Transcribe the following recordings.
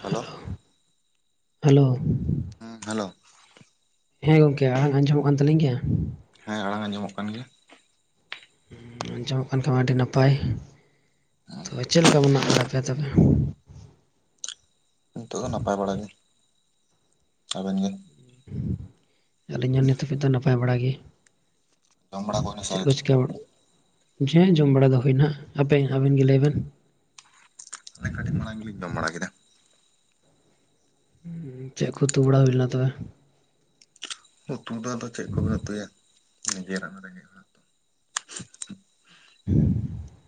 Hello hello ᱦᱩᱸ hello ᱦᱮᱸ ᱜᱚᱝᱠᱮ ᱟᱲᱟᱝ ᱟᱸᱡᱚᱢᱚᱜ ᱠᱟᱱ ᱛᱟᱹᱞᱤᱧ ᱜᱮᱭᱟ? ᱦᱮᱸ ᱟᱲᱟᱝ ᱟᱸᱡᱚᱢᱚᱜ ᱠᱟᱱ ᱜᱮᱭᱟ ᱾ ᱟᱸᱡᱚᱢᱚᱜ ᱠᱟᱱ [unintelligible] ᱢᱟ ᱟᱹᱰᱤ ᱱᱟᱯᱟᱭ ᱛᱚᱵᱮ ᱪᱮᱫ ᱞᱮᱠᱟ ᱢᱮᱱᱟᱜ ᱵᱟᱲᱟ ᱯᱮᱭᱟ ᱛᱚᱵᱮ? ᱱᱤᱛᱚᱜ ᱫᱚ ᱱᱟᱯᱟᱭ ᱵᱟᱲᱟ ᱜᱮ ᱟᱵᱮᱱ ᱜᱮ? ᱟᱞᱤᱧ ᱦᱚᱸ ᱱᱤᱛ ᱦᱟᱹᱵᱤᱡ ᱫᱚ ᱱᱟᱯᱟᱭ ᱵᱟᱲᱟ ᱜᱮ ᱾ ᱡᱚᱢ ᱵᱟᱲᱟ ᱦᱩᱭᱱᱟ ᱥᱮ ᱪᱮᱫ ᱠᱚ ᱟᱹᱣᱨᱤ ᱪᱤᱠᱟᱼᱼ [unintelligible] ᱡᱚᱢ ᱵᱟᱲᱟ ᱫᱚ ᱦᱩᱭᱱᱟ ᱟᱯᱮ ᱟᱵᱮᱱ ᱜᱮ ᱞᱟᱹᱭ ᱵᱤᱱ ᱾ [unintelligible] ᱠᱟᱴᱤᱡ ᱢᱟᱲᱟᱝ ᱜᱮ ᱞᱤᱧ ᱡᱚᱢ ᱵᱟᱲᱟ ᱠᱮᱫᱟ ᱾ ᱪᱮᱜ ᱠᱚ ᱩᱛᱩ ᱵᱟᱲᱟ ᱦᱩᱭ ᱞᱮᱱᱟ ᱛᱚᱵᱮ? ᱩᱛᱩ ᱫᱚ ᱟᱫᱚ ᱪᱮᱫ ᱠᱚᱵᱤᱱ ᱩᱛᱩᱭᱟ ᱱᱤᱡᱮᱨᱟᱜ [unintelligible] [inaudible]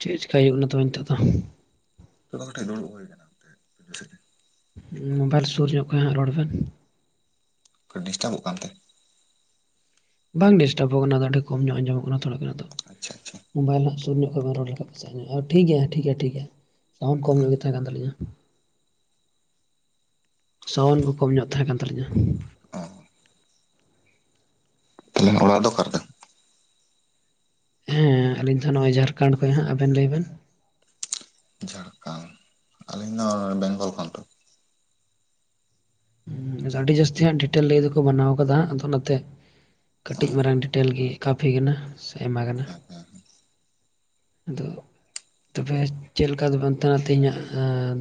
ᱪᱮᱫ ᱪᱮᱠᱟ ᱦᱩᱭᱩᱜ ᱠᱟᱱᱟ ᱛᱚᱵᱮ ᱱᱤᱛᱚᱜ ᱫᱚ? ᱱᱤᱛᱚᱜ ᱫᱚ ᱠᱚᱴᱮᱡ ᱫᱩᱲᱩᱵ ᱦᱩᱭ ᱠᱟᱱᱟ ᱾ ᱢᱚᱵᱟᱭᱤᱞ ᱥᱩᱨ ᱧᱚᱜ ᱠᱷᱚᱱᱟᱜ ᱨᱚᱲ ᱵᱮᱱ ᱾ ᱰᱤᱥᱴᱟᱵᱚᱜ ᱠᱟᱱᱛᱮ? ᱵᱟᱝ ᱰᱤᱥᱴᱟᱵᱚᱜ ᱠᱟᱱᱟ ᱟᱫᱚ ᱟᱹᱰᱤ ᱠᱚᱢ ᱧᱚᱜ ᱟᱸᱡᱚᱢᱚᱜ ᱠᱟᱱᱟ ᱛᱷᱚᱲᱟᱜᱟᱱ ᱾ ᱟᱪᱪᱷᱟ ᱟᱪᱪᱷᱟ ᱢᱚᱵᱟᱤᱞ ᱨᱮᱱᱟᱜ ᱥᱩᱨ ᱧᱚᱜ [unintelligible] ᱴᱷᱤᱠ ᱜᱮᱭᱟ ᱴᱷᱤᱠ ᱜᱮᱭᱟ ᱴᱷᱤᱠ ᱜᱮᱭᱟ ᱥᱟᱣᱩᱱᱰ ᱠᱚᱢ ᱧᱚᱜ ᱜᱮ ᱛᱟᱦᱮᱸ ᱠᱟᱱ ᱛᱟᱞᱤᱧᱟ ᱾ ᱥᱟᱣᱩᱱᱰ ᱠᱚᱢ ᱧᱚᱜ ᱛᱟᱦᱮᱸ ᱠᱟᱱ ᱛᱟᱞᱤᱧᱟ ᱾ ᱚ ᱟᱵᱮᱱ ᱚᱲᱟᱜ ᱫᱚ ᱚᱠᱟᱨᱮ ᱦᱮᱸ ᱟᱞᱤᱧ ᱫᱚ ᱱᱚᱜᱼᱚᱭ ᱡᱷᱟᱲᱠᱷᱚᱸᱰ ᱨᱮ ᱦᱟᱸᱜ ᱟᱵᱮᱱ ᱞᱟᱹᱭ ᱵᱮᱱ? ᱡᱷᱟᱲᱠᱷᱟᱸᱰ ᱟᱞᱤᱧ ᱫᱚ ᱵᱮᱝᱜᱚᱞ ᱠᱷᱚᱱ ᱾ ᱟᱹᱰᱤ ᱡᱟᱹᱥᱛᱤ ᱦᱟᱸᱜ ᱰᱤᱴᱮᱞ ᱞᱟᱹᱭ ᱫᱚᱠᱚ ᱢᱟᱱᱟᱣ ᱠᱟᱫᱟ ᱟᱫᱚ ᱚᱱᱟᱱᱛᱮ ᱠᱟᱹᱴᱤᱡ ᱢᱟᱨᱟᱝ ᱰᱤᱴᱮᱞ ᱜᱮ ᱠᱟᱯᱷᱤ ᱠᱟᱱᱟ ᱥᱮ ᱮᱢ ᱠᱟᱱᱟ ᱾ ᱦᱮᱸ ᱦᱮᱸ ᱟᱫᱚ ᱛᱚᱵᱮ ᱪᱮᱫ ᱞᱮᱠᱟ [unintelligible] ᱛᱮᱦᱮᱧᱟᱜ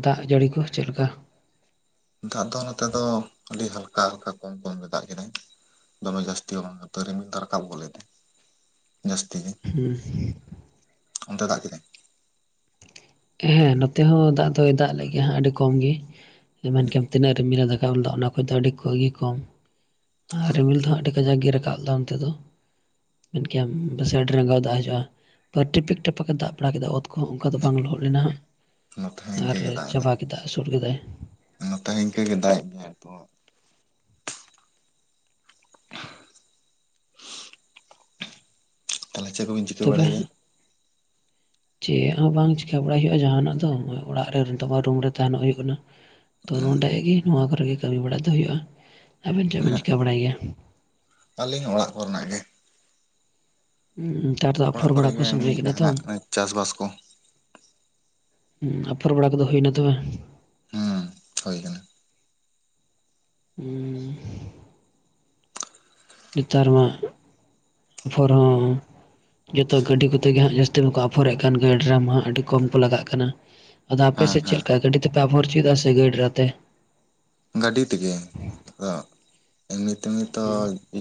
ᱫᱟᱜ ᱡᱟᱹᱲᱤ ᱠᱚ ᱪᱮᱫᱞᱮᱠᱟ? ᱫᱟᱜ ᱫᱚ ᱱᱚᱛᱮ ᱫᱚ ᱟᱹᱰᱤ ᱦᱟᱞᱠᱟ ᱦᱟᱞᱠᱟ ᱠᱚᱢ ᱠᱚᱢ ᱜᱮ ᱫᱟᱜ ᱠᱮᱫᱟᱭ ᱾ ᱫᱚᱢᱮ ᱡᱟᱥᱛᱤ ᱦᱚᱸ ᱵᱟᱝ ᱛᱚ ᱨᱤᱢᱤᱞ ᱫᱚᱭ ᱨᱟᱠᱟᱵ ᱜᱚᱫ ᱞᱮᱫᱟᱭ ᱡᱟᱹᱥᱛᱤ ᱜᱮ ᱾ ᱦᱩᱸ ᱚᱱᱛᱮ ᱫᱟᱜ ᱠᱮᱫᱟᱭ? ᱦᱮᱸ ᱱᱚᱛᱮ ᱦᱚᱸ ᱫᱟᱜ ᱫᱚᱭ ᱫᱟᱜ ᱞᱮᱜ ᱜᱮᱭᱟ ᱦᱟᱸ ᱟᱹᱰᱤ ᱠᱚᱢ ᱜᱮ ᱾ ᱢᱮᱱᱠᱮᱭᱟᱢ ᱛᱤᱱᱟᱹᱜ ᱨᱤᱢᱤᱞᱮ ᱨᱟᱠᱟᱵ ᱞᱮᱫᱟ ᱚᱱᱟ ᱠᱷᱚᱡ ᱫᱚ ᱟᱹᱰᱤ ᱟᱹᱜᱤ ᱠᱚᱢ, ᱟᱨ ᱨᱤᱢᱤᱞ ᱫᱚ ᱦᱟᱸᱜ ᱟᱹᱰᱤ ᱠᱟᱡᱟᱠ ᱜᱮ ᱨᱟᱠᱟᱵ ᱞᱮᱫᱟ ᱚᱱᱛᱮ ᱫᱚ᱾ ᱢᱮᱱᱠᱮᱭᱟᱢ ᱯᱟᱪᱷᱮ ᱟᱰᱤ ᱨᱟᱜᱟᱸᱣ ᱫᱟᱜ ᱦᱤᱡᱩᱜᱼᱟ᱾ ᱴᱤᱯᱤᱠ ᱴᱟᱯᱟᱠ ᱮ ᱫᱟᱜ ᱵᱟᱲᱟ ᱠᱮᱫᱟ ᱚᱛ ᱠᱚᱦᱚᱸ ᱚᱱᱠᱟ ᱫᱚ ᱵᱟᱝ ᱞᱚᱦᱚᱫ ᱞᱮᱱᱟ ᱦᱟᱸᱜ ᱱᱚᱛᱮ ᱦᱚᱸ ᱤᱱᱠᱟᱹ ᱟᱨ ᱜᱮ ᱫᱟᱜ ᱮᱫᱟᱭ ᱪᱟᱵᱟ ᱠᱮᱫᱟᱭ ᱟᱥᱩᱲ ᱠᱮᱫᱟᱭ, ᱱᱚᱛᱮ ᱦᱚᱸ ᱤᱱᱠᱟᱹ ᱜᱮ ᱫᱟᱜ ᱮᱫ ᱜᱮᱭᱟᱭ ᱱᱤᱛ [inaudible] ᱛᱟᱦᱚᱞᱮ ᱪᱮᱫ ᱠᱚᱵᱤᱱ ᱪᱤᱠᱟᱹ ᱛᱚᱵᱮ ᱵᱟᱲᱟᱭ ᱜᱮᱭᱟ? ᱪᱮᱫ ᱦᱚᱸ ᱵᱟᱝ ᱪᱤᱠᱟᱹ ᱵᱟᱲᱟᱭ ᱦᱩᱭᱩᱜᱼᱟ ᱡᱟᱦᱟᱸᱱᱟᱜ ᱫᱚ ᱚᱲᱟᱜ ᱨᱮ ᱱᱤᱛ ᱢᱟ ᱨᱩᱢ ᱨᱮ ᱛᱟᱸᱦᱮᱱ ᱦᱩᱭᱩᱜ ᱠᱟᱱᱟ᱾ ᱛᱚ ᱱᱚᱸᱰᱮ ᱜᱮ ᱱᱚᱣᱟ ᱠᱚᱨᱮ ᱜᱮ ᱠᱟᱹᱢᱤ ᱵᱟᱲᱟ ᱫᱚ ᱦᱩᱭᱩᱜᱼᱟ ᱾ ᱟᱵᱤᱱ ᱪᱮᱫ ᱵᱤᱱ ᱪᱤᱠᱟᱹ ᱵᱟᱲᱟᱭ ᱜᱮᱭᱟ? ᱟᱞᱤᱧ ᱚᱲᱟᱜ ᱠᱚᱨᱮᱱᱟᱜ ᱜᱮ᱾ ᱱᱮᱛᱟᱨ ᱫᱚ ᱚᱲᱟᱜ ᱟᱯᱷᱚᱨ ᱠᱚᱨᱮ ᱵᱟᱲᱟ ᱠᱚ ᱜᱮ ᱮᱢᱱᱤ ᱥᱚᱢᱚᱭ ᱠᱟᱱᱟ ᱛᱚ᱾ ᱡᱟᱦᱟᱱᱟᱜ ᱪᱟᱥᱵᱟᱥ ᱠᱚ ᱟᱯᱷᱚᱨ ᱵᱟᱲᱟ ᱠᱚᱫᱚ ᱦᱩᱭᱱᱟ ᱛᱚᱵᱮ? ᱦᱮᱸ ᱦᱩᱭ ᱠᱟᱱᱟ᱾ [unintelligible] ᱱᱮᱛᱟᱨ ᱢᱟ ᱟᱯᱷᱚᱨ ᱦᱚᱸ ᱡᱚᱛᱚ ᱜᱟᱹᱰᱤ ᱠᱚᱛᱮᱜᱮ ᱦᱟᱸᱜ ᱡᱟᱹᱥᱛᱤ ᱢᱟᱠᱚ ᱟᱯᱷᱚᱨᱮᱜ ᱠᱟᱱ ᱜᱟ ᱰᱨᱟᱢ ᱦᱟᱸᱜ ᱟᱹᱰᱤ ᱠᱚᱢ ᱠᱚ ᱞᱟᱜᱟᱜ ᱠᱟᱱᱟ᱾ ᱟᱫᱚ ᱦᱮᱸ ᱟᱯᱮᱥᱮᱜ ᱪᱮᱫ ᱦᱮᱸ ᱞᱮᱠᱟ ᱜᱟᱹᱰᱤ ᱛᱮᱯᱮ ᱟᱵᱚᱨ ᱦᱚᱪᱚᱭᱮᱫᱟ ᱥᱮ ᱜᱟᱹᱰᱤᱨᱟᱛᱮ? ᱜᱟᱹᱰᱤ ᱛᱮᱜᱮ ᱟᱫᱚ ᱮᱢᱱᱤ ᱛᱮᱱᱤ ᱛᱚ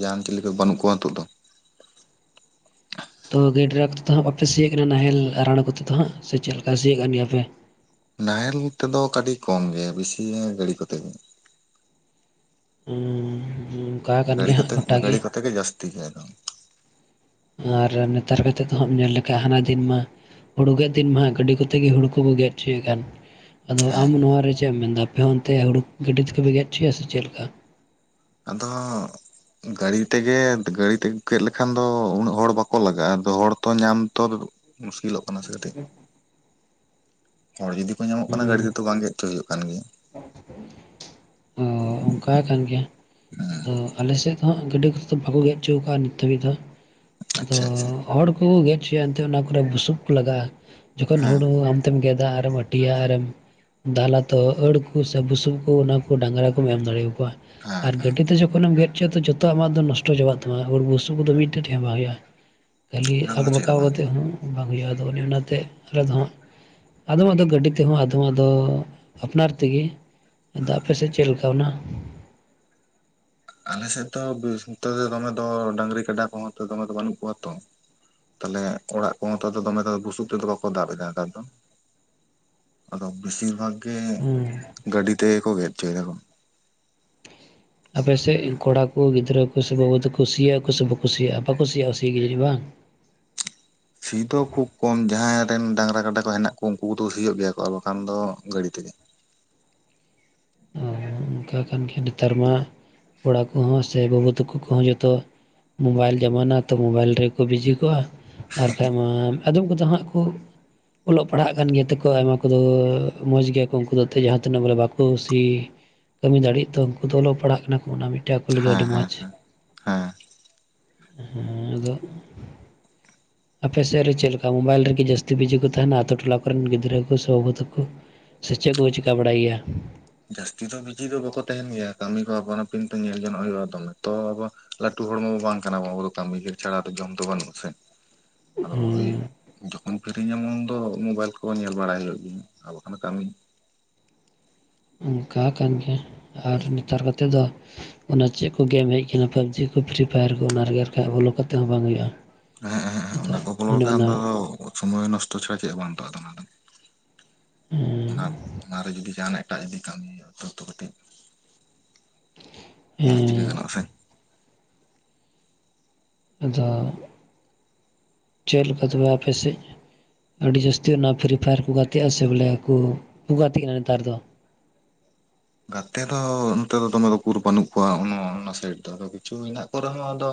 ᱡᱟᱦᱟᱱ ᱪᱤᱞᱤ ᱠᱚ ᱵᱟᱹᱱᱩᱜ ᱠᱚᱣᱟ ᱱᱤᱛᱚᱜ ᱫᱚ᱾ ᱛᱚ ᱜᱟᱹᱭ ᱰᱨᱟᱠ ᱛᱮ ᱫᱚ ᱦᱟᱸᱜ ᱵᱟᱯᱮ ᱥᱤᱭᱮᱜ ᱠᱟᱱᱟ ᱱᱟᱦᱮᱞ ᱟᱨᱟᱲ ᱠᱚᱛᱮ ᱫᱚ ᱦᱟᱸᱜ ᱥᱮ ᱪᱮᱫ ᱞᱮᱠᱟ ᱥᱤᱭᱮᱜ ᱠᱟᱱ ᱜᱮᱭᱟᱯᱮ [inaudible] ᱱᱟᱦᱮᱞ ᱛᱮᱫᱚ ᱠᱟᱹᱴᱤ ᱠᱚᱢ ᱜᱮ ᱵᱮᱥᱤ ᱜᱟᱹᱲᱤ ᱠᱚᱛᱮ ᱜᱮ᱾ [unintelligible] ᱜᱟᱹᱲᱤ ᱦᱟᱸᱜ ᱠᱚᱛᱮ ᱜᱚᱴᱟ ᱜᱟᱹᱲᱤ ᱠᱚᱛᱮ ᱜᱮ ᱡᱟᱹᱥᱛᱤ ᱜᱮ ᱫᱚ᱾ ᱟᱨ ᱱᱮᱛᱟᱨ ᱠᱟᱛᱮᱫ ᱫᱚ ᱦᱟᱸᱜ ᱧᱮᱞ ᱞᱮᱠᱷᱟ ᱦᱟᱱᱟ ᱫᱤᱱ ᱢᱟ ᱦᱩᱲᱩ ᱜᱮᱫ ᱫᱤᱱ ᱢᱟ ᱜᱟᱹᱰᱤ ᱠᱚᱛᱮᱜᱮ ᱦᱩᱲᱩ ᱠᱚ ᱠᱚ ᱜᱮᱫ ᱦᱚᱪᱚᱭᱮᱫ ᱠᱟᱱ᱾ ᱟᱫᱚ ᱟᱢ ᱦᱮᱸ ᱱᱚᱭᱟ ᱨᱮ ᱪᱮᱫ ᱮᱢ ᱢᱮᱱᱫᱟ ᱟᱯᱮ ᱦᱚᱸ ᱚᱱᱛᱮ ᱦᱩᱲᱩ ᱜᱟᱹᱰᱤ ᱛᱮᱜᱮᱯᱮ ᱜᱮᱫ ᱦᱚᱪᱚᱭᱟ ᱥᱮ ᱪᱮᱫ ᱞᱮᱠᱟ? ᱟᱫᱚ ᱜᱟᱹᱲᱤ ᱛᱮᱜᱮ ᱜᱟᱹᱲᱤ ᱛᱮᱜᱮ ᱜᱮᱫ ᱞᱮᱠᱷᱟᱱ ᱫᱚ ᱩᱱᱟᱹᱜ ᱦᱚᱲ ᱵᱟᱠᱚ ᱞᱟᱜᱟᱜᱼᱟ ᱟᱫᱚ ᱦᱚᱲᱛᱚ ᱧᱟᱢ ᱛᱚ ᱢᱩᱥᱠᱤᱞᱚᱜ ᱠᱟᱱᱟ ᱥᱮ ᱠᱟᱹᱴᱤᱡ, ᱦᱚᱲ ᱡᱩᱫᱤ ᱠᱚ ᱧᱟᱢᱚᱜ ᱠᱟᱱᱟ ᱜᱟᱹᱰᱤ ᱛᱮᱫᱚ ᱵᱟᱝ ᱜᱮᱫ ᱦᱚᱪᱚ ᱦᱩᱭᱩᱜ ᱠᱟᱱ ᱜᱮᱭᱟ᱾ ᱚ ᱚᱱᱠᱟ ᱠᱟᱱ ᱜᱮᱭᱟ, ᱦᱮᱸ ᱟᱫᱚ ᱟᱞᱮᱥᱮᱫ ᱦᱚ ᱦᱟᱜ ᱜᱟᱹᱰᱤ ᱠᱚᱛᱮ ᱫᱚ ᱵᱟᱠᱚ ᱜᱮᱫ ᱚᱪᱚ ᱠᱟᱜᱼᱟ ᱱᱤᱛ ᱫᱷᱟᱹᱵᱤᱡ ᱫᱚ, ᱟᱫᱚ ᱟᱪᱪᱷᱟ ᱟᱪᱪᱷᱟ ᱦᱚᱲ ᱠᱚ ᱜᱮᱫ ᱚᱪᱚᱭᱟ ᱮᱱᱛᱮ ᱚᱱᱟ ᱠᱚᱨᱮ ᱵᱩᱥᱩᱵ ᱠᱚ ᱞᱟᱜᱟᱜᱼᱟ ᱡᱚᱠᱷᱚᱱ ᱦᱮᱸ ᱦᱩᱲᱩ ᱟᱢ ᱛᱮᱢ ᱜᱮᱫᱟ ᱟᱨᱮᱢ ᱦᱟᱹᱴᱤᱭᱟ ᱟᱨᱮᱢ ᱫᱟᱞᱟ ᱛᱚ ᱠᱷᱚᱲ ᱠᱚ ᱥᱮ ᱵᱩᱥᱩᱵ ᱠᱚ ᱚᱱᱟ ᱠᱚ ᱰᱟᱝᱨᱟ ᱠᱚᱢ ᱮᱢ ᱫᱟᱲᱮ ᱟᱠᱚᱣᱟ, ᱦᱮᱸ ᱟᱨ ᱦᱮᱸ ᱜᱟᱹᱰᱤ ᱛᱮ ᱡᱚᱠᱷᱚᱱᱮᱢ ᱜᱮᱫ ᱡᱚᱛᱚᱣᱟᱜ ᱟᱢᱟᱜ ᱫᱚ ᱱᱚᱥᱴᱚ ᱪᱟᱵᱟᱜ ᱛᱟᱢᱟ ᱦᱩᱲ ᱵᱩᱥᱩ ᱠᱚᱫᱚ ᱢᱤᱫᱴᱮᱡ ᱴᱷᱮ ᱵᱟᱝ ᱦᱩᱭᱩᱜᱼᱟ᱾ ᱠᱷᱟᱹᱞᱤ ᱚᱱᱟ ᱠᱚᱫᱚ ᱪᱮᱫ ᱟᱸᱠᱵᱟᱠᱟᱣ ᱵᱟᱝ ᱠᱟᱛᱮ ᱦᱚᱸ ᱵᱟᱝ ᱦᱩᱭᱩᱜᱼᱟ ᱟᱫᱚ ᱚᱱᱮ ᱚᱱᱟᱛᱮ ᱟᱞᱮ ᱫᱚ ᱟᱫᱷᱚᱢ ᱟᱫᱚ ᱜᱟᱹᱰᱤ ᱛᱮᱦᱚᱸ ᱟᱫᱷᱚᱢ ᱟᱫᱚ ᱟᱯᱱᱟᱨ ᱛᱮᱜᱮ, ᱟᱫᱚ ᱟᱯᱮ ᱥᱮᱫ ᱪᱮᱫ ᱞᱮᱠᱟ ᱚᱱᱟ ᱟᱞᱮᱥᱮᱫ ᱫᱚ [unintelligible] ᱫᱚᱢᱮ ᱫᱚ ᱰᱟᱹᱟᱝᱨᱤ ᱠᱟᱰᱟ ᱠᱚᱦᱚᱸ ᱫᱚᱢᱮ ᱫᱚ ᱵᱟᱹᱱᱩᱜ ᱠᱚᱣᱟ ᱛᱚ, ᱛᱟᱦᱚᱞᱮ ᱚᱲᱟᱜ ᱠᱚᱦᱚᱸ ᱛᱚ ᱫᱚᱢᱮ ᱫᱚ ᱵᱩᱥᱩᱵ ᱛᱮᱫᱚ ᱵᱟᱠᱚ ᱫᱟᱵ ᱮᱫᱟ ᱱᱮᱛᱟᱨ ᱫᱚ᱾ ᱟᱫᱚ ᱵᱮᱥᱤᱨ ᱵᱷᱟᱜᱽ ᱜᱮ ᱦᱩᱸ ᱜᱟᱹᱰᱤ ᱛᱮᱜᱮ ᱠᱚ ᱜᱮᱫ ᱦᱚᱪᱚᱭ ᱫᱟᱠᱚ᱾ ᱟᱯᱮᱥᱮᱫ ᱠᱚᱲᱟ ᱠᱚ ᱜᱤᱫᱽᱨᱟᱹ ᱠᱚ ᱥᱮ ᱵᱟᱹᱵᱩ ᱛᱟᱠᱚ ᱠᱩᱥᱤᱭᱟᱜ ᱠᱚ ᱥᱮ ᱵᱟᱠᱩ ᱥᱤᱭᱟᱜᱼᱟ ᱵᱟᱠᱚ ᱠᱩᱥᱤᱭᱟᱜᱼᱟ ᱥᱤᱜᱮ ᱡᱟᱹᱱᱤᱡ ᱵᱟᱝ ᱥᱤ ᱫᱚ ᱠᱷᱩᱵ ᱠᱚᱢ ᱡᱟᱦᱟᱸᱭ ᱨᱮᱱ ᱰᱟᱝᱨᱟ ᱠᱟᱰᱟ ᱠᱚ ᱦᱮᱱᱟᱜ ᱠᱚ ᱩᱱᱠᱩ ᱠᱚᱫᱚ ᱥᱤᱭᱳᱜ ᱜᱮᱭᱟ ᱠᱚ ᱟᱨ ᱵᱟᱠᱷᱟᱱ ᱫᱚ ᱜᱟᱹᱲᱤ ᱛᱮᱜᱮ᱾ ᱚᱱᱠᱟ ᱠᱟᱱ ᱜᱮ ᱱᱮᱛᱟᱨ ᱢᱟ ᱠᱚᱲᱟ ᱠᱚᱦᱚᱸ ᱥᱮ ᱵᱟᱹᱵᱩ ᱛᱟᱠᱚ ᱠᱚᱦᱚᱸ ᱡᱚᱛᱚ ᱢᱳᱵᱟᱭᱤᱞ ᱡᱟᱢᱟᱱᱟ ᱛᱚ ᱢᱳᱵᱟᱭᱤᱞ ᱨᱮᱜᱮ ᱠᱚ ᱵᱤᱡᱤ ᱠᱚᱜᱼᱟ᱾ ᱟᱨᱠᱟᱱ ᱢᱟ ᱟᱫᱚᱢ ᱠᱚᱫᱚ ᱦᱟᱸᱜ ᱠᱚ ᱚᱞᱚᱜ ᱯᱟᱲᱦᱟᱜ ᱠᱟᱱ ᱜᱮᱭᱟ ᱛᱚᱠᱚ ᱟᱭᱢᱟ ᱠᱚᱫᱚ ᱢᱚᱸᱡᱽ ᱜᱮᱭᱟ ᱠᱚ ᱩᱱᱠᱩ ᱫᱚ ᱛᱮ ᱡᱟᱦᱟᱸ ᱛᱤᱱᱟᱹᱜ ᱵᱚᱞᱮ ᱵᱟᱠᱚ ᱡᱩᱫᱤ ᱠᱟᱹᱢᱤ ᱫᱟᱲᱮᱜ ᱛᱚ ᱩᱱᱠᱩ ᱫᱚ ᱚᱞᱚᱜ ᱯᱟᱲᱦᱟᱜ ᱠᱟᱱᱟ ᱠᱚ ᱚᱱᱟ ᱢᱤᱫ ᱮᱴᱟᱜ ᱠᱚ ᱞᱟᱹᱜᱤᱫ ᱦᱮᱸ ᱟᱹᱰᱤ ᱦᱮᱸ ᱢᱚᱸᱡᱽ ᱦᱮᱸ ᱦᱮᱸ ᱟᱫᱚ [inaudible] [unintelligible] ᱟᱯᱮ ᱥᱮᱫ ᱨᱮ ᱪᱮᱫ ᱞᱮᱠᱟ ᱢᱳᱵᱟᱭᱤᱞ ᱨᱮᱜᱮ ᱡᱟᱹᱥᱛᱤ ᱵᱤᱡᱤ ᱠᱚ ᱛᱟᱦᱮᱸᱱᱟ ᱟᱛᱳ ᱴᱚᱞᱟ ᱠᱚᱨᱮᱱ ᱜᱤᱫᱽᱨᱟᱹ ᱠᱚ ᱥᱮ ᱵᱟᱹᱵᱩ ᱛᱟᱠᱚ? ᱥᱮ ᱪᱮᱜ ᱠᱚ ᱪᱤᱠᱟ ᱵᱟᱲᱟᱭ ᱜᱮᱭᱟ? ᱡᱟᱹᱥᱛᱤ ᱫᱚ ᱵᱤᱡᱤ ᱫᱚ ᱵᱟᱠᱚ ᱛᱟᱦᱮᱸᱱ ᱜᱮᱭᱟ, ᱠᱟᱹᱢᱤ ᱠᱚ ᱟᱯᱟᱱ ᱟᱹᱯᱤᱱ ᱛᱮ ᱧᱮᱞ ᱡᱚᱱᱚᱜ ᱦᱩᱭᱩᱜ-ᱟ᱾ ᱫᱚᱢᱮ ᱛᱚ ᱟᱵᱚ ᱞᱟᱹᱴᱩ ᱦᱚᱲ ᱢᱟᱵᱚ ᱵᱟᱝ ᱠᱟᱱᱟ ᱵᱚᱱ᱾ ᱟᱵᱚ ᱫᱚ ᱠᱟᱹᱢᱤ ᱜᱮ ᱪᱷᱟᱲᱟ ᱫᱚ ᱡᱚᱢ ᱫᱚ ᱵᱟᱹᱱᱩᱜ ᱟᱥᱮ᱾ [inaudible] ᱟᱫᱚ ᱤᱭ ᱦᱮᱸ ᱡᱚᱠᱷᱚᱱ ᱯᱷᱤᱨᱤ ᱧᱟᱢᱚᱜ-ᱟ ᱩᱱ ᱫᱚ ᱢᱳᱵᱟᱭᱤᱞ ᱠᱚ ᱧᱮᱞ ᱵᱟᱲᱟᱭ ᱦᱩᱭᱩᱜ ᱜᱮᱭᱟ ᱟᱨ ᱵᱟᱠᱷᱟᱱ ᱠᱟᱹᱢᱤ᱾ ᱚᱱᱠᱟ ᱠᱟᱱ ᱜᱮᱭᱟ ᱟᱨ ᱱᱮᱛᱟᱨ ᱠᱟᱛᱮ ᱫᱚ ᱚᱱᱟ ᱪᱮᱫ ᱠᱚ ᱜᱮᱢ ᱦᱮᱡ ᱠᱟᱱᱟ᱾ ᱯᱟᱵᱽᱡᱤ ᱠᱚ ᱯᱷᱤᱨᱤ ᱯᱷᱟᱭᱟᱨ ᱠᱚ ᱚᱱᱟ ᱨᱮᱜᱮ ᱟᱨᱠᱤ ᱦᱟᱸᱜ ᱵᱚᱞᱚ ᱠᱟᱛᱮᱜ ᱦᱚᱸ ᱵᱟᱝ ᱦᱩᱭᱩᱜᱼᱟ᱾ ᱮᱸ ᱦᱮᱸᱜ ᱮᱸ ᱦᱮᱸᱜ ᱟᱫᱚ ᱚᱱᱟ ᱠᱚ ᱵᱚᱞᱚ ᱚᱱᱮ ᱞᱮᱠᱷᱟᱱ ᱚᱱᱟ ᱫᱚ ᱥᱚᱢᱚᱭ ᱱᱚᱥᱴᱚ ᱪᱷᱟᱲᱟ ᱪᱮᱫ ᱵᱟᱝ ᱛᱚ ᱚᱱᱟ ᱫᱚ᱾ ᱚᱱᱟ ᱚᱱᱟᱨᱮ ᱡᱩᱫᱤ ᱡᱟᱦᱟᱸᱱᱟᱜ ᱮᱴᱟᱜ ᱡᱩᱫᱤ ᱠᱟᱹᱢᱤ ᱦᱩᱭᱩᱜ-ᱟ, ᱛᱟᱣᱛᱚ ᱠᱟᱹᱴᱤᱡ ᱡᱟᱦᱟᱸᱜ ᱪᱤᱠᱟᱹ ᱦᱮᱸ ᱜᱟᱱᱚᱜ ᱟᱥᱮ? ᱟᱫᱚ ᱪᱮᱫ ᱞᱮᱠᱟ ᱛᱚᱵᱮ ᱟᱯᱮ ᱥᱮᱫ? ᱟᱹᱰᱤ ᱡᱟᱹᱥᱛᱤ ᱚᱱᱟ ᱯᱷᱤᱨᱤ ᱯᱷᱟᱭᱟᱨ ᱠᱚ ᱜᱟᱛᱮᱜ ᱟᱥᱮ ᱵᱚᱞᱮ ᱠᱩ ᱠᱩ ᱜᱟᱛᱮᱜ-ᱟ ᱱᱮᱛᱟᱨ ᱫᱚ᱾ ᱜᱟᱛᱮ ᱫᱚ ᱱᱚᱛᱮ ᱫᱚ ᱫᱚᱢᱮ ᱫᱚ ᱩᱠᱩᱨ ᱵᱟᱹᱱᱩᱜ ᱠᱚᱣᱟ᱾ ᱚᱱᱟ ᱚᱱᱟ ᱥᱟᱭᱤᱰ ᱫᱚ ᱟᱫᱚ ᱠᱤᱪᱷᱩ ᱦᱮᱸᱱᱟᱜ ᱠᱚ ᱨᱮᱦᱚᱸ ᱟᱫᱚ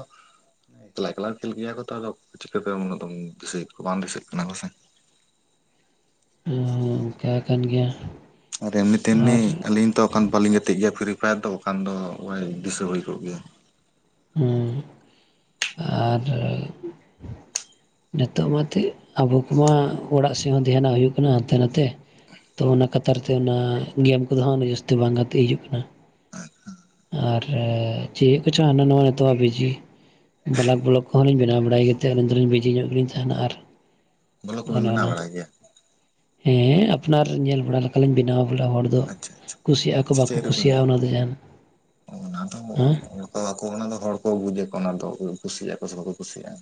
ᱮᱠᱞᱟ ᱮᱠᱞᱟ ᱠᱷᱮᱞ ᱜᱮᱭᱟ ᱠᱚ ᱛᱚ, ᱟᱫᱚ ᱪᱤᱠᱟᱹ ᱛᱮᱢ ᱩᱱᱟᱹᱜ ᱫᱚᱢ ᱫᱤᱥᱟᱹᱭᱮᱫ ᱠᱚ ᱵᱟᱝ ᱫᱤᱥᱟᱹᱜ ᱠᱟᱱᱟ ᱯᱟᱥᱮ। ᱦᱩᱸ ᱦᱩᱸ ᱚᱱᱠᱟ ᱠᱟᱱ ᱜᱮᱭᱟ। ᱟᱨ ᱮᱢᱱᱤ ᱛᱮᱢᱱᱤ ᱟᱨ ᱟᱹᱞᱤᱧ ᱫᱚ ᱠᱟᱱ ᱵᱟᱞᱤᱧ ᱜᱟᱛᱮᱜ ᱜᱮᱭᱟ, ᱯᱷᱨᱤ ᱯᱷᱟᱭᱟᱨ ᱫᱚ ᱠᱟᱱ ᱫᱚ ᱚᱭ ᱫᱤᱥᱟᱹ ᱦᱩᱭ ᱠᱚᱜ ᱜᱮᱭᱟ। ᱦᱮᱸ ᱟᱨ ᱱᱤᱛᱚᱜ ᱢᱟᱛᱮᱜ ᱟᱵᱚ ᱠᱚᱢᱟ ᱚᱲᱟᱜ ᱥᱮᱫ ᱦᱚᱸ ᱫᱷᱮᱭᱟᱱᱟᱜ ᱦᱩᱭᱩᱜ ᱠᱟᱱᱟ ᱦᱟᱱᱛᱮ ᱱᱟᱛᱮ। ᱛᱚ ᱚᱱᱟ ᱠᱟᱛᱟᱨ ᱛᱮ ᱚᱱᱟ ᱜᱮᱢ ᱠᱚᱫᱚ ᱦᱟᱸᱜ ᱡᱟᱹᱥᱛᱤ ᱵᱟᱝ ᱜᱟᱛᱮᱜ ᱦᱤᱡᱩᱜ ᱠᱟᱱᱟ। ᱟᱨ ᱪᱮᱜ ᱠᱚᱪᱚ ᱦᱟᱱᱟ ᱱᱚᱣᱟ ᱱᱤᱛᱚᱜ ᱟᱜ ᱵᱤᱡᱤ। ᱵᱟᱞᱟᱠ ᱵᱚᱞᱚᱠ ᱠᱚᱦᱚᱸ ᱞᱤᱧ ᱵᱮᱱᱟᱣ ᱵᱟᱲᱟᱭ ᱜᱮᱛᱮ ᱟᱹᱞᱤᱧ ᱫᱚᱞᱤᱧ ᱵᱤᱡᱤ ᱧᱚᱜ ᱜᱮᱞᱤᱧ ᱛᱟᱦᱮᱸᱱᱟ ᱟᱨ ᱵᱚᱞᱚ ᱠᱚᱵᱤᱱ ᱚᱱᱮ ᱵᱮᱱᱟᱣ ᱚᱱᱟ ᱵᱟᱲᱟᱭ ᱜᱮᱭᱟ ᱦᱮᱸ ᱟᱯᱱᱟᱨ ᱧᱮᱞ ᱵᱟᱲᱟ ᱞᱮᱠᱟᱞᱤᱧ ᱵᱮᱱᱟᱣ ᱵᱚᱞᱮ ᱦᱚᱲ ᱫᱚ ᱟᱪᱪᱷᱟ ᱟᱪᱪᱷᱟ ᱠᱩᱥᱤᱭᱟᱜ ᱟᱠᱚ ᱟᱪᱪᱷᱟ ᱵᱟᱠᱚ ᱪᱮᱫ ᱨᱮᱵᱤᱱ ᱠᱩᱥᱤᱭᱟᱜ-ᱟ ᱚᱱᱟ ᱫᱚ ᱡᱟᱦᱟᱱ ᱚᱱᱟ ᱫᱚ ᱦᱮᱸ ᱦᱚᱲ ᱠᱚ ᱟᱠᱚ ᱚᱱᱟ ᱫᱚ ᱦᱚᱲ ᱠᱚ ᱵᱩᱡᱟ ᱚᱱᱟ ᱫᱚ ᱠᱩᱥᱤᱭᱟᱜ ᱟᱠᱚ ᱥᱮ ᱵᱟᱠᱚ ᱠᱩᱥᱤᱭᱟᱜ-ᱟ।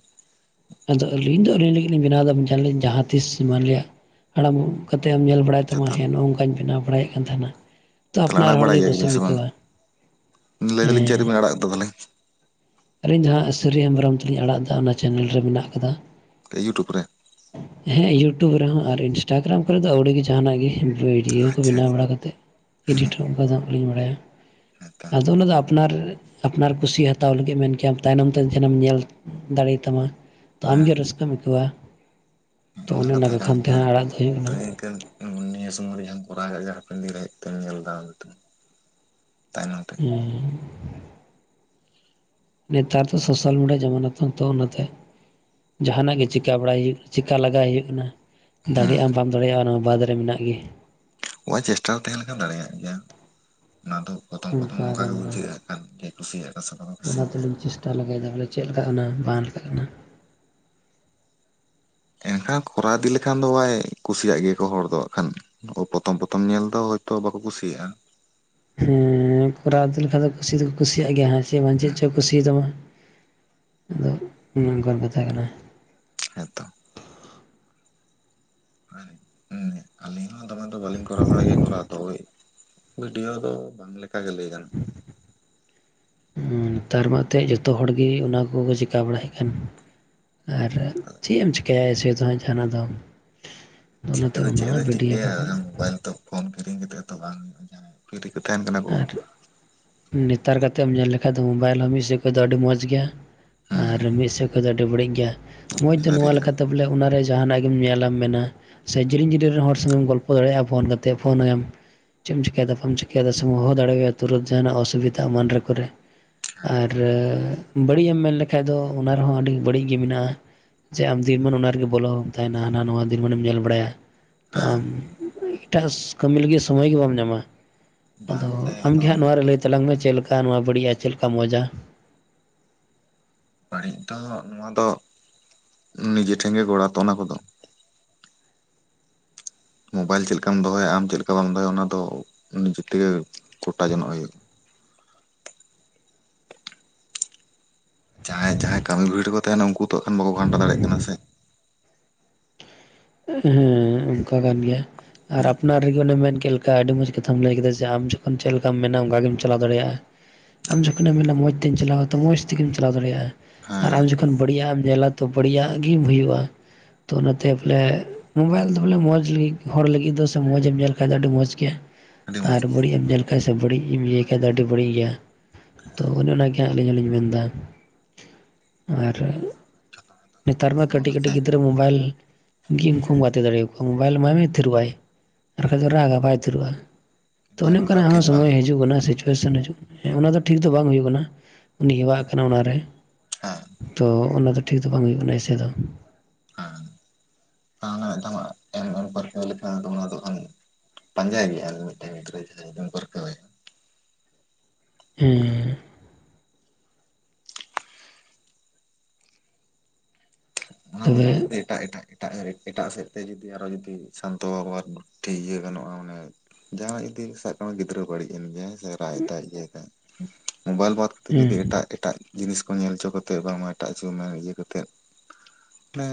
ᱟᱫᱚ ᱟᱹᱞᱤᱧ ᱫᱚ ᱟᱹᱞᱤᱧ ᱞᱟᱹᱜᱤᱫ ᱞᱤᱧ ᱵᱮᱱᱟᱣ ᱮᱫᱟ ᱡᱟᱦᱟᱸ ᱛᱤᱥ ᱢᱟᱱᱞᱮᱭᱟᱜ ᱦᱟᱲᱟᱢᱚᱜ ᱠᱟᱛᱮᱢ ᱧᱮᱞ ᱵᱟᱲᱟᱭ ᱟᱪᱪᱷᱟ ᱛᱟᱢᱟ ᱛᱟᱦᱚᱞᱮ ᱦᱮᱸ ᱱᱚᱜ ᱱᱚᱝᱠᱟᱧ ᱵᱮᱱᱟᱣ ᱵᱟᱲᱟᱭᱮᱫ ᱠᱟᱱ ᱛᱟᱦᱮᱸᱱᱟ। ᱛᱚ ᱛᱟᱦᱚᱞᱮ ᱟᱯᱱᱟᱨ ᱟᱲᱟᱜ ᱵᱟᱲᱟᱭ ᱦᱚᱲᱜᱮ ᱜᱮᱭᱟ ᱵᱤᱱ ᱠᱩᱥᱤᱢ ᱥᱮ ᱵᱟᱝ ᱟᱹᱭᱠᱟᱹᱣᱟ। ᱞᱟᱹᱭ ᱫᱟᱹᱞᱤᱧ ᱪᱮᱫ ᱦᱮᱸ ᱨᱮᱵᱤᱱ ᱟᱲᱟᱜ ᱩᱛᱟᱹᱨ ᱫᱟ ᱛᱟᱦᱚᱞᱮ᱾ ᱟᱹᱞᱤᱧ ᱡᱟᱦᱟᱸ ᱥᱟᱹᱨᱤ ᱦᱮᱢᱵᱨᱚᱢ ᱛᱟᱹᱞᱤᱧ ᱟᱲᱟᱜ ᱫᱟ ᱚᱱᱟ ᱪᱮᱱᱮᱞ ᱨᱮ ᱢᱮᱱᱟᱜ ᱠᱟᱫᱟ। ᱤᱭᱩᱴᱩᱵᱽ ᱨᱮ, ᱦᱮᱸ ᱤᱭᱩᱴᱩᱵᱽ ᱨᱮᱦᱚᱸ ᱟᱨ ᱤᱱᱥᱴᱟᱜᱨᱟᱢ ᱠᱚᱨᱮ ᱫᱚ ᱟᱹᱣᱲᱤ ᱜᱮ ᱡᱟᱦᱟᱸᱱᱟᱜ ᱜᱮ। ᱵᱷᱤᱰᱤᱭᱳ ᱠᱚ ᱟᱪᱪᱷᱟ ᱵᱮᱱᱟᱣ ᱟᱪᱪᱷᱟ ᱵᱟᱲᱟ ᱠᱟᱛᱮᱫ ᱤᱰᱤᱴ ᱦᱚᱸ ᱚᱱᱠᱟ ᱫᱚ ᱵᱟᱹᱞᱤᱧ ᱦᱮᱸᱛᱚ ᱵᱟᱲᱟᱭᱟ। ᱟᱫᱚ ᱚᱱᱟ ᱫᱚ ᱟᱯᱱᱟᱨ ᱟᱯᱱᱟᱨ ᱠᱩᱥᱤ ᱦᱟᱛᱟᱣ ᱞᱟ ᱤᱭᱟᱹ ᱢᱮᱱ ᱠᱮᱭᱟᱢ ᱛᱟᱭᱱᱚᱢ ᱛᱮ ᱡᱮᱱᱮᱢ ᱧᱮᱞ ᱫᱟᱲᱮ ᱛᱟᱢᱟ। ᱛᱚ ᱦᱮᱸ ᱟᱢᱜᱮ ᱨᱟᱹᱥᱠᱟᱹᱢ ᱟᱹᱭᱠᱟᱹᱣᱟ ᱛᱚ ᱚᱱᱮ ᱚᱱᱟ ᱠᱷᱟᱢ ᱛᱮᱦᱟᱸ ᱟᱲᱟᱜ ᱫᱚ ᱦᱩᱭᱩᱜ ᱠᱟᱱᱟ। ᱟᱢ ᱱᱤᱭᱟᱹ ᱥᱚᱢᱚᱭ ᱨᱮ ᱡᱟᱦᱟᱸᱢ ᱠᱚᱨᱟᱣ ᱫᱟ᱾ ᱡᱮ ᱦᱟᱯᱮᱱ ᱫᱤᱱ ᱨᱮ ᱦᱮᱡ ᱠᱟᱛᱮᱢ ᱧᱮᱞ ᱫᱟ, ᱛᱟᱭᱱᱚᱢ ᱛᱮ ᱦᱮᱸ [unintelligible] ᱱᱮᱛᱟᱨ ᱫᱚ ᱥᱳᱥᱟᱞ ᱢᱤᱰᱤᱭᱟ ᱡᱟᱢᱟᱱᱟ ᱛᱚ ᱛᱚ ᱚᱱᱟᱛᱮ। ᱡᱟᱦᱟᱸᱱᱟᱜ ᱜᱮ ᱪᱤᱠᱟ ᱵᱟᱲᱟᱭ ᱦᱩᱭᱩᱜ ᱪᱤᱠᱟ ᱞᱟᱜᱟᱭ ᱦᱩᱭᱩᱜ ᱠᱟᱱᱟ। ᱦᱮᱸ ᱫᱟᱲᱮᱭᱟᱜ ᱟᱢ ᱵᱟᱢ ᱫᱟᱲᱮᱭᱟᱜ-ᱟ ᱚᱱᱟ ᱢᱟ ᱵᱟᱫᱽ ᱨᱮ ᱢᱮᱱᱟᱜ ᱜᱮ। ᱚ ᱪᱮᱥᱴᱟ ᱛᱟᱦᱮᱸ ᱞᱮᱠᱷᱟᱱ ᱫᱟᱲᱮᱭᱟᱜ ᱜᱮᱭᱟᱢ ᱚᱱᱟ ᱫᱚ। ᱯᱨᱚᱛᱷᱚᱢ ᱯᱨᱚᱛᱷᱚᱢ ᱚᱱᱠᱟ ᱱᱚᱝᱠᱟ ᱜᱮ ᱜᱟᱱᱚᱜᱼᱟ ᱵᱩᱡᱷᱟᱹᱜ-ᱟ ᱟᱨ ᱠᱮ ᱠᱩᱥᱤᱭᱟᱜ ᱟᱠᱚ ᱥᱮ ᱵᱟᱠᱚ ᱠᱩᱥᱤᱭᱟᱜ-ᱟ। ᱛᱟᱦᱚᱞᱮ ᱠᱷᱟᱡ ᱫᱚ ᱵᱚᱞᱮ ᱪᱮᱫ ᱞᱮᱠᱟᱜ ᱠᱟᱱᱟ ᱵᱟᱱ ᱞᱮᱠᱟᱜ ᱠᱟᱱᱟ। ᱮᱱᱠᱷᱟᱱ ᱠᱚᱨᱟᱣ ᱤᱫᱤ ᱞᱮᱠᱷᱟᱱ ᱫᱚ ᱵᱟᱭ ᱠᱩᱥᱤᱭᱟᱜ ᱜᱮᱭᱟ ᱠᱚ ᱦᱚᱲ ᱫᱚ ᱠᱷᱟᱱ ᱯᱨᱚᱛᱷᱚᱢ ᱯᱨᱚᱛᱷᱚᱢ ᱧᱮᱞ ᱫᱚ ᱛᱚ ᱵᱟᱠᱚ ᱠᱩᱥᱤᱭᱟᱜ-ᱟ। ᱦᱩᱸᱻ ᱠᱚᱨᱟᱣ ᱤᱫᱤ ᱞᱮᱠᱷᱟᱱ ᱫᱚ ᱠᱩᱥᱤ ᱫᱚᱠᱚ ᱠᱩᱥᱤᱭᱟᱜ ᱜᱮᱭᱟ ᱦᱮᱸ। ᱪᱮ ᱵᱟᱝ ᱪᱮᱫ ᱪᱚ ᱠᱩᱥᱤᱭᱟ ᱛᱟᱢᱟ, ᱟᱫᱚ ᱚᱱᱮ ᱚᱱᱠᱟᱱ ᱠᱟᱛᱷᱟ ᱠᱟᱱᱟ। ᱦᱮᱸ ᱛᱚ। ᱦᱮᱸ ᱟᱹᱞᱤᱧ ᱦᱚᱸ ᱫᱚᱢᱮ ᱫᱚ ᱵᱟᱹᱞᱤᱧ ᱠᱚᱨᱟᱣ ᱵᱟᱲᱟᱭ ᱜᱮᱭᱟ ᱠᱚᱨᱟᱣ ᱫᱚ ᱳᱭ। ᱵᱷᱤᱰᱤᱭᱳ ᱫᱚ ᱵᱟᱝ ᱞᱮᱠᱟᱜᱮ ᱞᱟᱹᱭ ᱜᱟᱱᱚᱜ। [unintelligible] ᱱᱮᱛᱟᱨ ᱢᱟ ᱮᱱᱛᱮ ᱡᱚᱛᱚ ᱦᱚᱲᱜᱮ ᱚᱱᱟ ᱠᱚᱠᱚ ᱪᱤᱠᱟ ᱵᱟᱲᱟᱭᱮᱫ ᱠᱟᱱ। ᱟᱨ ᱪᱮᱫ ᱮᱢ ᱪᱤᱠᱟᱹᱭᱟ ᱡᱟᱦᱟᱱᱟᱜ ᱫᱚ? ᱪᱤᱠᱟᱹ ᱚᱱᱟᱛᱮ ᱫᱚ ᱚᱱᱟ ᱪᱮᱫ ᱫᱚ ᱵᱷᱤᱰᱭᱳ ᱪᱤᱠᱟᱹᱭᱟ ᱠᱚᱜᱮ ᱢᱳᱵᱟᱭᱤᱞ ᱛᱚ ᱯᱷᱚᱱ ᱠᱤᱨᱤᱧ ᱠᱟᱛᱮᱫ ᱛᱚ ᱵᱟᱝ ᱦᱩᱭᱩᱜ-ᱟ ᱡᱟᱦᱟᱸᱭ ᱯᱷᱤᱨᱤ ᱠᱚ ᱛᱟᱦᱮᱸᱱ ᱠᱟᱱᱟ ᱠᱚ। ᱟᱨ ᱱᱮᱛᱟᱨ ᱠᱟᱛᱮᱜ ᱮᱢ ᱧᱮᱞ ᱞᱮᱠᱷᱟᱱ ᱫᱚ ᱢᱳᱵᱟᱭᱤᱞ ᱦᱚᱸ ᱢᱤᱫ ᱥᱮᱫ ᱠᱷᱚᱱᱫᱚ ᱟᱹᱰᱤ ᱢᱚᱸᱡᱽ ᱜᱮᱭᱟ ᱦᱮᱸ ᱟᱨ ᱢᱤᱫ ᱥᱮᱫ ᱠᱷᱚᱱᱫᱚ ᱟᱹᱰᱤ ᱵᱟᱹᱲᱤᱡ ᱜᱮᱭᱟ, ᱢᱚᱸᱡᱽ ᱫᱚ ᱥᱟᱹᱨᱤ ᱱᱚᱣᱟ ᱜᱮ ᱞᱮᱠᱟᱛᱮ ᱵᱚᱞᱮ ᱚᱱᱟ ᱨᱮ ᱡᱟᱦᱟᱸᱱᱟᱜ ᱜᱮᱢ ᱧᱮᱞᱟᱢ ᱢᱮᱱᱟ ᱥᱮ ᱡᱤᱞᱤᱧ ᱡᱤᱞᱤᱧ ᱨᱮᱱ ᱦᱚᱲ ᱥᱚᱸᱜᱮᱢ ᱜᱚᱞᱯᱚ ᱫᱟᱲᱮᱭᱟᱜ-ᱟ ᱯᱷᱳᱱ ᱠᱟᱛᱮ ᱯᱷᱳᱱ ᱟᱭᱟᱢ। ᱪᱮᱫ ᱮᱢ ᱪᱤᱠᱟᱹᱭᱫᱟ ᱵᱟᱢ ᱪᱤᱠᱟᱹᱭᱫᱟ ᱥᱮ ᱦᱚᱦᱚ ᱫᱟᱲᱮᱣᱭᱟ ᱛᱩᱨᱟᱹᱛ ᱡᱟᱦᱟᱱᱟᱜ ᱚᱥᱩᱵᱤᱫᱷᱟ ᱮᱢᱟᱱ ᱠᱚᱨᱮ। ᱟᱨ ᱵᱟᱹᱲᱤᱡ ᱮᱢ ᱢᱮᱱ ᱞᱮᱠᱷᱟᱡ ᱫᱚ ᱚᱱᱟ ᱨᱮᱦᱚᱸ ᱟᱹᱰᱤ ᱵᱟᱹᱲᱤᱡ ᱜᱮ ᱢᱮᱱᱟᱜᱼᱟ᱾ ᱡᱮ ᱟᱢ ᱫᱤᱱᱢᱟᱱ ᱚᱱᱟ ᱨᱮᱜᱮ ᱵᱚᱞᱚ ᱦᱚᱢ ᱛᱟᱦᱮᱱᱟ ᱦᱟᱱᱟ ᱱᱟᱣᱟ ᱫᱤᱱ ᱢᱟᱱᱮᱢ ᱧᱮᱞ ᱵᱟᱲᱟᱭᱟ᱾ ᱛᱚ ᱦᱮᱸ ᱟᱢ ᱮᱴᱟᱜ ᱠᱟᱹᱢᱤ ᱞᱟᱹᱜᱤᱫ ᱥᱚᱢᱚᱭ ᱜᱮ ᱵᱟᱢ ᱧᱟᱢᱟ᱾ ᱵᱟᱝ ᱟᱫᱚ ᱥᱮ ᱟᱫᱚ ᱟᱢᱜᱮ ᱦᱟᱸᱜ ᱱᱚᱣᱟ ᱨᱮ ᱞᱟᱹᱭ ᱛᱟᱞᱟᱝ ᱢᱮ ᱪᱮᱫ ᱞᱮᱠᱟ ᱱᱚᱣᱟ ᱵᱟᱹᱲᱤᱡᱼᱟ ᱪᱮᱫ ᱞᱮᱠᱟ ᱢᱚᱸᱡᱟ᱾ ᱵᱟᱹᱲᱤᱡ ᱫᱚ ᱱᱚᱣᱟ ᱫᱚ ᱱᱤᱡᱮ ᱴᱷᱮᱱ ᱜᱮ ᱜᱚᱲᱟᱛᱚ ᱚᱱᱟ ᱠᱚᱫᱚ᱾ ᱢᱳᱵᱟᱭᱤᱞ ᱪᱮᱫ ᱞᱮᱠᱟᱢ ᱫᱚᱦᱚᱭᱟ ᱟᱢ ᱪᱮᱫ ᱞᱮᱠᱟ ᱵᱟᱢ ᱫᱚᱦᱚᱭᱟ ᱚᱱᱟ ᱫᱚ ᱱᱤᱡᱮ ᱛᱮᱜᱮ ᱠᱚᱴᱟ ᱡᱚᱱᱚᱜ ᱦᱩᱭᱩᱜᱼᱟ᱾ ᱡᱟᱦᱟᱸᱭ ᱡᱟᱦᱟᱸᱭ ᱠᱟᱹᱢᱤ ᱵᱷᱤᱲ ᱨᱮᱠᱚ ᱛᱟᱦᱮᱱᱟ ᱩᱱᱠᱩ ᱛᱚ ᱮᱠᱷᱟᱱ ᱵᱟᱠᱚ ᱜᱷᱟᱱᱴᱟ ᱫᱟᱲᱮᱭᱟᱜ ᱠᱟᱱᱟ ᱥᱮ᱾ ᱦᱮᱸ ᱚᱱᱠᱟ ᱠᱟᱱ ᱜᱮᱭᱟ ᱟᱨ ᱦᱮᱸ ᱟᱯᱱᱟᱨ ᱨᱮᱜᱮ ᱚᱱᱮᱢ ᱢᱮᱱᱠᱮᱫ ᱟᱹᱰᱤ ᱢᱚᱸᱡᱽ ᱠᱟᱛᱷᱟᱢ ᱞᱟᱹᱭ ᱠᱮᱫᱟ ᱡᱮ ᱟᱢ ᱡᱚᱠᱷᱚᱱ ᱪᱮᱫ ᱞᱮᱠᱟᱢ ᱢᱮᱱᱟ ᱚᱱᱠᱟ ᱜᱮᱢ ᱪᱟᱞᱟᱣ ᱫᱟᱲᱮᱭᱟᱜᱼᱟ᱾ ᱟᱢ ᱡᱚᱠᱷᱚᱱ ᱮᱢ ᱢᱮᱱᱟ ᱢᱚᱡᱽᱛᱮᱢ ᱪᱟᱞᱟᱣᱟ ᱛᱚ ᱢᱚᱡᱽ ᱛᱮᱜᱮᱢ ᱪᱟᱞᱟᱣ ᱫᱟᱲᱮᱭᱟᱜᱼᱟ᱾ ᱟᱨ ᱦᱮᱸ ᱟᱢ ᱡᱚᱠᱷᱚᱱ ᱵᱟᱲᱤᱡᱟᱜ ᱮᱢ ᱧᱮᱞᱟ ᱛᱚ ᱵᱟᱲᱤᱡᱟᱜ ᱜᱮ ᱦᱩᱭᱩᱜᱼᱟ ᱛᱚ ᱚᱱᱟᱛᱮ ᱵᱚᱞᱮ ᱢᱳᱵᱟᱭᱤᱞ ᱫᱚ ᱵᱚᱞᱮ ᱢᱚᱡᱽ ᱞᱟᱹᱜᱤᱫ ᱦᱚᱲ ᱞᱟᱹᱜᱤᱫ ᱫᱚ ᱥᱮ ᱢᱚᱡᱽ ᱮᱢ ᱧᱮᱞ ᱠᱷᱟᱱᱡ ᱫᱚ ᱟᱹᱰᱤ ᱢᱚᱸᱡᱽ ᱜᱮᱭᱟ᱾ ᱟᱹᱰᱤ ᱟᱨ ᱢᱚᱸᱡᱽ ᱜᱮᱭᱟ ᱵᱟᱹᱲᱤᱡ ᱮᱢ ᱧᱮᱞ ᱠᱷᱟᱡ ᱥᱮ ᱵᱟᱹᱲᱤᱡ ᱮᱢ ᱤᱭᱟᱭ ᱠᱷᱟᱡ ᱛᱚ ᱟᱰᱤ ᱵᱟᱲᱤᱡ ᱜᱮᱭᱟ ᱛᱚ ᱚᱱᱮ ᱚᱱᱟᱜᱮ ᱟᱹᱞᱤᱧ ᱦᱚᱸᱞᱤᱧ ᱢᱮᱱ ᱮᱫᱟ ᱟᱨ ᱡᱚᱛᱚ ᱦᱚᱲ ᱫᱚ ᱱᱮᱛᱟᱨ ᱵᱟᱠᱚ ᱢᱟ ᱠᱟᱹᱴᱤᱡ ᱥᱚᱢᱟᱱᱟ ᱥᱮ ᱠᱟᱹᱴᱤᱡ ᱜᱤᱫᱽᱨᱟᱹ ᱢᱳᱵᱟᱭᱤᱞ ᱜᱮ ᱩᱱᱠᱩᱢ ᱜᱟᱛᱮ ᱫᱟᱲᱮᱭᱟ ᱠᱚᱣᱟ ᱢᱳᱵᱟᱭᱤᱞ ᱮᱢᱟᱭ ᱢᱮ ᱛᱷᱤᱨᱚᱜᱟᱭ᱾ ᱟᱨ ᱵᱟᱠᱷᱟᱡ ᱫᱚ ᱨᱟᱜᱟ ᱵᱟᱭ ᱩᱛᱟᱹᱨᱚᱜᱼᱟ ᱠᱤᱱᱛᱩ ᱛᱚ ᱚᱱᱮ ᱚᱱᱟ ᱫᱚ ᱚᱱᱠᱟᱱᱟᱜ ᱦᱚᱸ ᱴᱷᱤᱠ ᱵᱟᱝ ᱥᱚᱢᱚᱭ ᱦᱩᱭᱩᱜ ᱦᱤᱡᱩᱜ ᱠᱟᱱᱟ ᱥᱮ ᱦᱤᱡᱩᱜ ᱦᱮᱸ ᱚᱱᱟ ᱫᱚ ᱴᱷᱤᱠ ᱫᱚ ᱵᱟᱝ ᱦᱩᱭᱩᱜ ᱠᱟᱱᱟ᱾ ᱩᱱᱤ ᱦᱮᱵᱣᱟᱜ ᱠᱟᱱᱟ ᱚᱱᱟᱨᱮ ᱦᱮᱸ ᱛᱚ ᱚᱱᱟ ᱫᱚ ᱴᱷᱤᱠ ᱫᱚ ᱵᱟᱝ ᱦᱩᱭᱩᱜ ᱠᱟᱱᱟ ᱮᱭᱥᱮ ᱫᱚ᱾ ᱦᱮᱸ [inaudible] ᱯᱟᱡᱟ ᱜᱮᱭᱟ ᱟᱨ ᱜᱤᱫᱽᱨᱟᱹ ᱡᱩᱫᱤᱢ ᱯᱟᱨᱠᱟᱣᱮᱭᱟ᱾ ᱦᱮ ᱛᱚᱵᱮ [unintelligible] ᱮᱴᱟᱜ ᱮᱴᱟᱜ ᱮᱴᱟᱜ ᱮᱴᱟᱜ ᱥᱮᱫ ᱛᱮ ᱡᱩᱫᱤ ᱟᱨᱚ ᱡᱩᱫᱤ ᱥᱟᱱᱛᱚᱵ ᱴᱷᱤᱠ ᱤᱭᱟᱹ ᱜᱟᱱᱚᱜᱼᱟ ᱢᱟᱱᱮ ᱡᱟᱦᱟᱸᱭ ᱡᱩᱫᱤ ᱥᱟᱵ ᱠᱟᱜ ᱢᱮ ᱜᱤᱫᱽᱨᱟᱹ ᱵᱟᱹᱲᱤᱡ ᱮᱱ ᱜᱮᱭᱟᱭ ᱨᱟᱜᱮᱫᱟᱭ ᱤᱭᱟᱹᱭᱮᱫᱟᱭ ᱢᱳᱵᱟᱭᱤᱞ ᱵᱟᱫ ᱠᱟᱛᱮᱫ ᱦᱮᱸ ᱡᱩᱫᱤ ᱮᱴᱟᱜ ᱮᱴᱟᱜ ᱡᱤᱱᱤᱥ ᱠᱚ ᱧᱮᱞ ᱚᱪᱚ ᱠᱟᱛᱮᱫ ᱵᱟᱝᱢᱟ ᱮᱴᱟᱜ ᱦᱚᱪᱚ ᱢᱮ ᱤᱭᱟᱹ ᱠᱟᱛᱮᱫᱼᱼ ᱢᱟᱱᱮ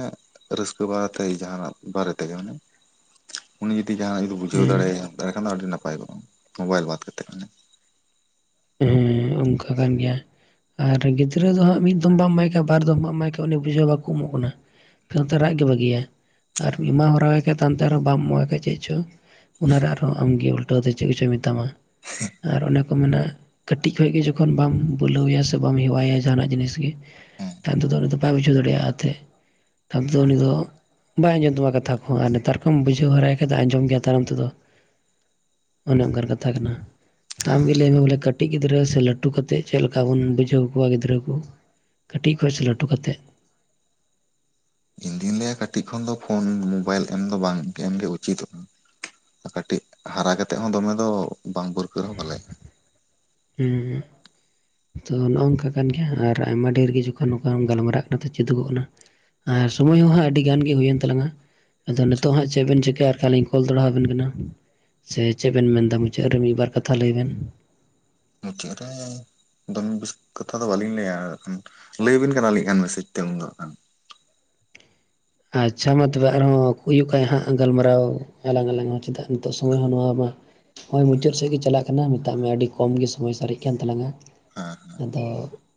ᱨᱟᱹᱥᱠᱟᱹ ᱵᱟᱨᱟᱛᱮ ᱡᱟᱦᱟᱱᱟᱜ ᱵᱟᱨᱮ ᱛᱮᱜᱮ ᱢᱟᱱᱮ ᱩᱱᱤ ᱡᱩᱫᱤ ᱡᱟᱦᱱᱟᱜ ᱡᱩᱫᱤ ᱵᱩᱡᱷᱟᱹᱣ ᱦᱮᱸ ᱫᱟᱲᱮᱭᱟᱢ ᱛᱟᱦᱞᱮ ᱠᱷᱟᱱ ᱫᱚ ᱟᱹᱰᱤ ᱱᱟᱯᱟᱭ ᱠᱚᱣᱟᱜ ᱢᱳᱵᱟᱭᱤᱞ ᱵᱟᱫ ᱠᱟᱛᱮᱮᱫ᱾ ᱦᱮᱸ ᱚᱱᱠᱟ ᱠᱟᱱ ᱜᱮᱭᱟ᱾ ᱟᱨ ᱜᱤᱫᱽᱨᱟᱹ ᱫᱚ ᱦᱟᱸᱜ ᱢᱤᱫ ᱫᱚᱢ ᱵᱟᱢ ᱮᱢᱟᱭ ᱠᱷᱟᱡ ᱵᱟᱨ ᱫᱚᱢ ᱵᱟᱢ ᱮᱢᱟᱭ ᱠᱷᱟᱱ ᱩᱱᱤ ᱵᱩᱡᱷᱟᱹᱣ ᱵᱟᱠᱚ ᱮᱢᱚᱜ ᱠᱟᱱᱟ᱾ ᱮᱠᱟᱞᱛᱮ ᱨᱟᱜ ᱜᱮ ᱵᱟᱹᱜᱤᱭᱟ ᱟᱨ ᱮᱢᱟ ᱦᱚᱨᱟᱟᱭ ᱪᱮᱛᱟᱱ ᱟᱨᱦᱚᱸ ᱵᱟᱢ ᱮᱢᱟᱭ ᱠᱷᱟᱡ ᱪᱮᱫ ᱪᱚ ᱚᱱᱟᱨᱮ ᱟᱨᱦᱚᱸ ᱟᱢᱜᱮ ᱩᱞᱴᱟᱹᱣ ᱫᱚ ᱪᱮᱫ ᱠᱚᱪᱚᱭ ᱢᱮᱛᱟᱢᱟ᱾ ᱟᱨ ᱚᱱᱮ ᱠᱚ ᱢᱮᱱᱟᱜᱼᱟ, ᱠᱟᱹᱴᱤᱡ ᱠᱷᱚᱱᱚᱡ ᱜᱮ ᱡᱚᱠᱷᱚᱱ ᱵᱟᱢ ᱵᱩᱞᱟᱹᱣ ᱟᱭᱟ ᱥᱮ ᱵᱟᱢ ᱦᱮᱣᱟᱭᱟ ᱡᱟᱦᱟᱱᱟᱜ ᱡᱤᱱᱤᱥ ᱜᱮ ᱦᱮᱸ ᱛᱟᱭᱚᱢ ᱛᱮᱫᱚ ᱩᱱᱤ ᱫᱚ ᱵᱟᱭ ᱵᱩᱡᱷᱟᱹᱣ ᱫᱟᱲᱮᱭᱟᱜᱼᱟᱛᱮ ᱛᱟᱭᱚᱢ ᱫᱚ ᱩᱱᱤ ᱫᱚ ᱵᱟᱭ ᱟᱸᱡᱚᱢ ᱛᱟᱢᱟ ᱠᱟᱛᱷᱟ ᱠᱚᱦᱚ ᱟᱨ ᱱᱮᱛᱟᱨ ᱠᱷᱚᱢ ᱵᱩᱡᱷᱟᱹᱣ ᱦᱟᱨᱟᱭ ᱠᱷᱟᱡ ᱟᱸᱡᱚᱢ ᱜᱮᱭᱟ ᱛᱟᱭᱱᱚᱢ ᱛᱮᱫᱚ᱾ ᱚᱱᱮ ᱚᱱᱠᱟᱱ ᱠᱟᱛᱷᱟ ᱠᱟᱱᱟ ᱟᱢᱜᱮ ᱦᱮᱸ ᱞᱟᱹᱭᱢᱮ ᱵᱚᱞᱮ ᱠᱟᱹᱴ ᱠᱟᱹᱴᱤᱡ ᱜᱤᱫᱽᱨᱟᱹ ᱥᱮ ᱞᱟᱹᱴᱩ ᱠᱟᱛᱮᱫ ᱪᱮᱫ ᱞᱮᱠᱟ ᱵᱚᱱ ᱵᱩᱡᱷᱟᱹᱣ ᱠᱚᱣᱟ ᱜᱤᱫᱽᱨᱟᱹ ᱠᱚ ᱠᱟᱹᱴᱤᱡ ᱠᱷᱚᱱ ᱥᱮ ᱞᱟᱹᱴᱩ ᱠᱟᱛᱮᱫ ᱤᱧ ᱫᱩᱧ ᱞᱟᱹᱭᱟ ᱠᱟᱹᱴᱤᱡ ᱠᱷᱚᱱ ᱫᱚ ᱯᱷᱳᱱ ᱢᱳᱵᱟᱭᱤᱞ ᱮᱢ ᱫᱚ ᱵᱟᱝ ᱜᱮ ᱮᱢᱜᱮ ᱩᱪᱤᱛᱚᱜᱼᱟ ᱠᱟᱹᱴᱤᱡ ᱦᱟᱨᱟ ᱠᱟᱛᱮᱜ ᱦᱚᱸ ᱫᱚᱢᱮ ᱫᱚ ᱵᱟᱝ ᱵᱟᱹᱨᱠᱟᱹ ᱦᱚᱸ ᱵᱷᱟᱞᱮᱭᱟ ᱦᱩᱸ ᱛᱚ ᱱᱚᱜᱼᱚ ᱱᱚᱝᱠᱟ ᱠᱟᱱ ᱜᱮᱭᱟ ᱟᱨ ᱟᱭᱢᱟ ᱰᱷᱮᱨ ᱜᱮ ᱡᱚᱠᱷᱚᱱ ᱱᱚᱝᱠᱟᱢ ᱜᱟᱞᱢᱟᱨᱟᱜ ᱠᱟᱱᱟ ᱛᱚ ᱪᱮᱫᱚᱜᱚᱜ ᱠᱟᱱᱟ ᱟᱨ ᱥᱚᱢᱚᱭ ᱦᱚᱸᱦᱟᱸ ᱟᱹᱰᱤ ᱜᱟᱱ ᱜᱮ ᱦᱩᱭᱮᱱ ᱛᱟᱞᱟᱝ-ᱟ ᱟᱫᱚ ᱱᱤᱛᱚᱜ ᱦᱟᱸᱜ ᱪᱮᱫ ᱵᱤᱱ ᱪᱤᱠᱟᱹᱭᱟ ᱟᱨ ᱠᱷᱟᱱ ᱞᱤᱧ ᱠᱚᱞ ᱫᱚᱲᱦᱟ ᱟᱵᱤᱱ ᱠᱟᱱᱟ ᱥᱮ ᱪᱮᱫ ᱵᱮᱱ ᱢᱮᱱ ᱮᱫᱟ ᱢᱩᱪᱟᱹᱫ ᱨᱮ ᱢᱤᱫᱵᱟᱨ ᱠᱟᱛᱷᱟ ᱞᱟᱹᱭ ᱵᱮᱱ ᱢᱩᱪᱟᱹᱫ ᱨᱮ ᱫᱚᱢ ᱵᱮᱥ ᱠᱟᱛᱷᱟ ᱫᱚ ᱵᱟᱹᱞᱤᱧ ᱞᱟᱹᱭᱟ ᱟᱜᱠᱷᱟᱱ ᱞᱟᱹᱭ ᱟᱵᱤᱱ ᱠᱟᱱᱟ ᱞᱤᱧ ᱠᱷᱟᱱ ᱢᱮᱥᱮᱡ ᱛᱮ ᱩᱱ ᱫᱚ ᱟᱜᱠᱷᱟᱱ ᱟᱪᱪᱷᱟ ᱢᱟ ᱛᱚᱵᱮ ᱟᱨᱦᱚᱸ ᱦᱩᱭᱩᱜ ᱠᱷᱟᱡ ᱦᱟᱸᱜ ᱜᱟᱞᱢᱟᱨᱟᱣ ᱟᱞᱟᱝ ᱟᱞᱟᱝ ᱦᱚᱸ ᱪᱮᱫᱟᱜ ᱱᱤᱛᱚᱜ ᱥᱚᱢᱚᱭ ᱦᱚᱸ ᱱᱚᱣᱟ ᱢᱟ ᱱᱚᱜᱚᱭ ᱢᱩᱪᱟᱹᱫ ᱥᱮᱫ ᱜᱮ ᱪᱟᱞᱟᱜ, ᱢᱮᱛᱟᱜ ᱢᱮᱭᱟ ᱟᱹᱰᱤ ᱠᱚᱢ ᱜᱮ ᱥᱚᱢᱚᱭ ᱥᱟᱨᱮᱡ ᱠᱟᱱ ᱛᱟᱞᱟᱝᱟ ᱠᱷᱟᱱ ᱦᱮᱸ ᱦᱮᱸ ᱟᱫᱚ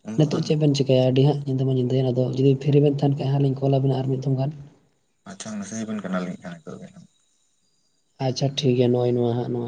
ᱩᱱ ᱫᱚ ᱱᱤᱛᱳᱜ ᱦᱟᱸᱜ ᱪᱮᱫ ᱵᱮᱱ ᱪᱤᱠᱟᱹᱭᱟ ᱟᱹᱰᱤ ᱦᱟᱸᱜ ᱫᱚᱢᱮ ᱧᱤᱫᱟᱹ ᱟᱫᱚ ᱡᱩᱫᱤ ᱯᱷᱨᱤ ᱵᱮᱱ ᱛᱟᱦᱮᱸᱱ ᱠᱷᱟᱱ ᱦᱟᱜ ᱞᱤᱧᱠᱚᱞ ᱟᱵᱤᱱᱟ ᱟᱨ ᱢᱤᱫ ᱫᱚᱢ ᱜᱟᱱ ᱟᱪᱪᱷᱟ ᱢᱮᱥᱮᱡ ᱟᱵᱤᱱ ᱠᱟᱱᱟᱞᱤᱧ ᱱᱤᱛᱳᱜ ᱜᱮ ᱟᱪᱪᱷᱟ ᱴᱷᱤᱠ ᱜᱮᱭᱟ ᱱᱚᱜᱼᱚᱭ ᱱᱚᱣᱟ ᱦᱟᱸᱜ ᱱᱚᱣᱟ